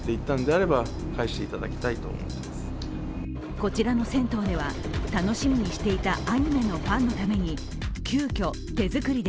こちらの銭湯では楽しみにしていたアニメのファンのために急きょ、手づくりで